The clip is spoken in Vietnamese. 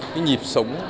cái nhịp sống